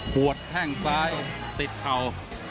ปวดแห้งซ้ายติดเข่า